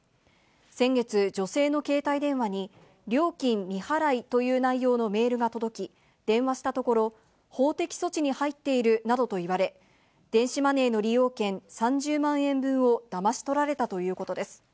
先月、女性の携帯電話に料金未払いという内容のメールが届き、電話したところ、法的措置に入っているなどと言われ、電子マネーの利用権３０万円分をだまし取られたということです。